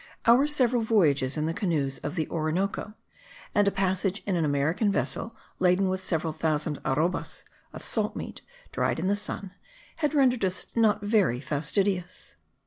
Our several voyages in the canoes of the Orinoco, and a passage in an American vessel laden with several thousand arrobas of salt meat dried in the sun had rendered us not very fastidious.